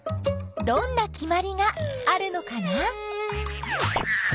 どんなきまりがあるのかな？